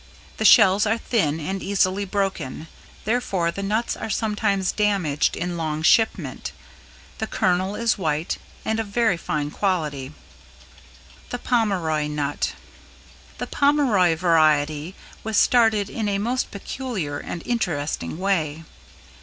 The shells are thin and easily broken, therefore the nuts are sometimes damaged in long shipment. The kernel is white and of very fine quality. [Sidenote: =The Pomeroy Nut=] The Pomeroy variety was started in a most peculiar and interesting way.